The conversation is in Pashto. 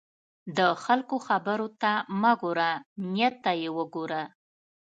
د خلکو خبرو ته مه ګوره، نیت ته یې وګوره.